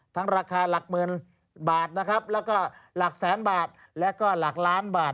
ทั้งราคาหลักหมื่นบาทหลักแสนบาทหลักล้านบาท